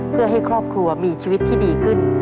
เพื่อให้ครอบครัวมีชีวิตที่ดีขึ้น